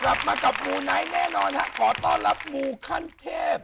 กลับมากับมูไนท์แน่นอนฮะขอต้อนรับมูขั้นเทพ